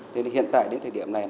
thì hiện tại đến thời điểm này